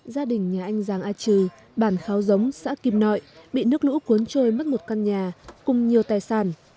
gia đình nhà anh giàng a trừ bản kháo giốngg xã kim nội bị nước lũ cuốn trôi mất một căn nhà cùng nhiều tài sản